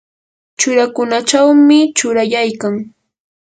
churakunachawmi churayaykan.